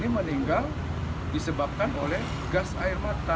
meninggal disebabkan oleh gas air mata